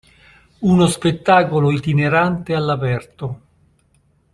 Uno spettacolo itinerante all'aperto.